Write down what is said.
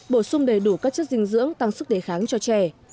bổ sung đầy đủ các chất dinh dưỡng tăng sức đề kháng cho trẻ